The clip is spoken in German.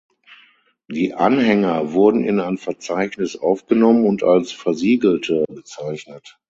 Die Anhänger wurden in ein Verzeichnis aufgenommen und als "Versiegelte" bezeichnet.